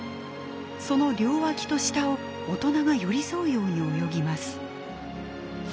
その両脇と下を大人が寄り添うように泳ぎます。